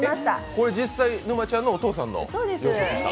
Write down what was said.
これ実際、沼ちゃんのお父さんが養殖した？